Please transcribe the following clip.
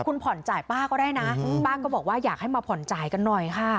คุณผ่อนจ่ายป้าก็ได้นะป้าก็บอกว่าอยากให้มาผ่อนจ่ายกันหน่อยค่ะ